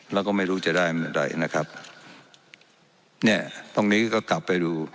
แล้วก็ไม่รู้จะได้อะไรนะครับเนี่ยตรงนี้ก็กลับไปดู